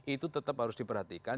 itu tetap harus diperhatikan